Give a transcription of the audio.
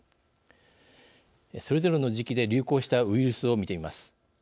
それぞれの時期で流行したウイルスを見てみます。